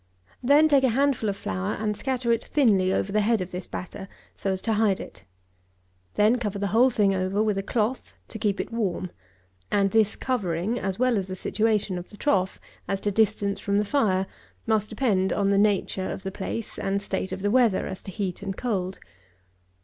Then take a handful of flour and scatter it thinly over the head of this batter, so as to hide it. Then cover the whole over with a cloth to keep it warm; and this covering, as well as the situation of the trough, as to distance from the fire, must depend on the nature of the place and state of the weather as to heat and cold.